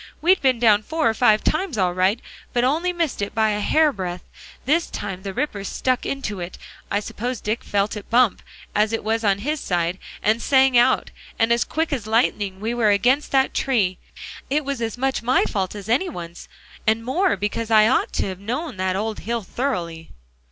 We'd been down four or five times all right, but only missed it by a hair breadth; this time the ripper struck into it; I suppose Dick felt it bump, as it was on his side, and sang out, and as quick as lightning we were against that tree. It was as much my fault as any one's, and more, because I ought to have known that old hill thoroughly."